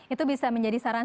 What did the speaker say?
itu bisa menjadi saran